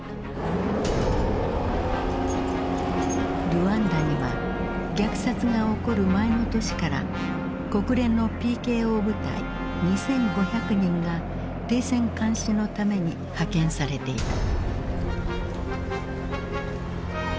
ルワンダには虐殺が起こる前の年から国連のＰＫＯ部隊２，５００人が停戦監視のために派遣されていた。